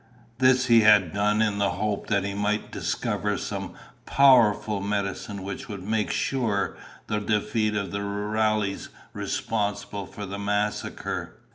This he had done in the hope that he might discover some powerful medicine which would make sure the defeat of the rurales responsible for the massacre.